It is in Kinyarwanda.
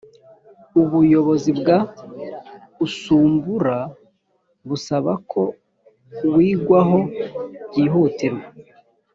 ubuyobozi bwa usumbura busaba ko wigwaho byihutirwa